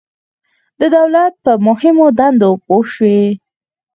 د دولت په مهمو دندو پوه شئ.